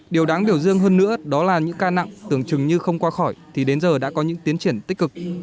điều đáng biểu dương hơn nữa đó là những ca nặng tưởng chừng như không qua khỏi thì đến giờ đã có những tiến triển tích cực